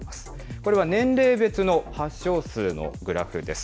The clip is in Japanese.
これは年齢別の発症数のグラフです。